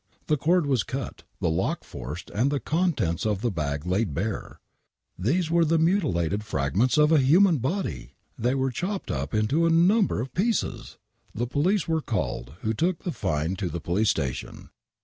The cord was cut,, the lock forced and contents of the bag laid bare ! These were the mutilated frag ments of a human body !! They were chopped up into a num ber of pieces ! The police were called, who took the find to the police station.